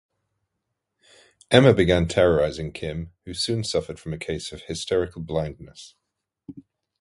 Emma began terrorizing Kim, who soon suffered from a case of hysterical blindness.